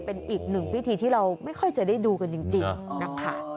เป็นอีกหนึ่งพิธีที่เราไม่ค่อยจะได้ดูกันจริงนะคะ